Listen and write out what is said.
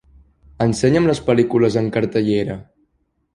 Ensenya'm les pel·lícules en cartellera